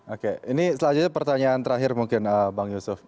oke ini selanjutnya pertanyaan terakhir mungkin bang yusuf